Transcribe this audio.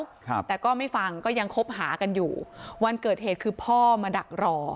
ครับแต่ก็ไม่ฟังก็ยังคบหากันอยู่วันเกิดเหตุคือพ่อมาดักรอ